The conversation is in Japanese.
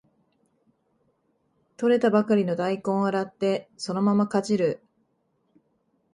採れたばかりの大根を洗ってそのままかじる